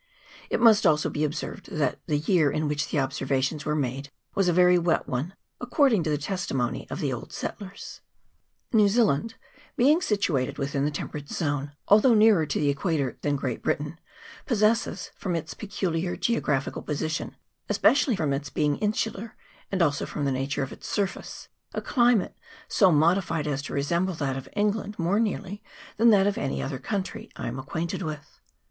It must also be observed that the year in which the observations were made was a very wet one, according to the testimony of the old settlers. CHAP. IX.] CLIMATE. 173 New Zealand, being situated within the temperate zone, although nearer to the equator than Great Britain, possesses, from its peculiar geographical position, especially from its being insular, and also from the nature of its surface, a climate so modified as to resemble that of England more nearly than that of any other country I am acquainted with.